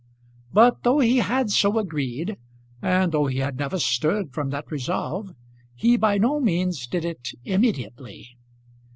But though he had so agreed, and though he had never stirred from that resolve, he by no means did it immediately.